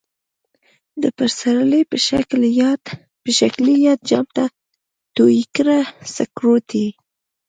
د پسرلی په شکلی یاد، جام ته تویی کړه سکروټی